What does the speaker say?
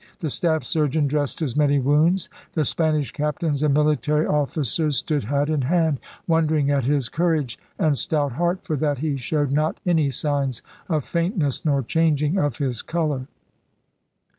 The staff surgeon dressed his many wounds. The Spanish captains and military officers stood hat in hand, * wondering at his cour age and stout heart, for that he showed not any signs of faintness nor changing of his colour.